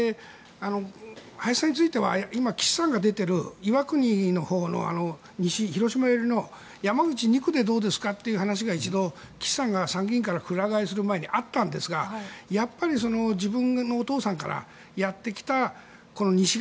林さんについては今、岸さんが出ている岩国のほうの西、広島寄りの山口２区でどうですかっていう話が一度、岸さんが参議院からくら替えする前にあったんですがあったんですがやっぱり自分のお父さんからやってきた西側。